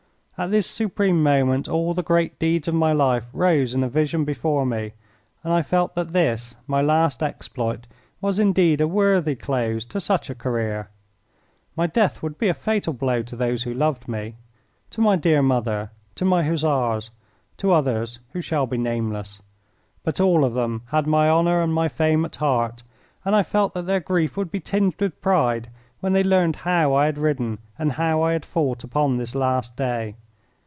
At this supreme moment all the great deeds of my life rose in a vision before me, and I felt that this, my last exploit, was indeed a worthy close to such a career. My death would be a fatal blow to those who loved me, to my dear mother, to my Hussars, to others who shall be nameless. But all of them had my honour and my fame at heart, and I felt that their grief would be tinged with pride when they learned how I had ridden and how I had fought upon this last day.